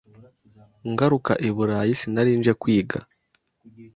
Ngaruka i Burayi sinari nje kwiga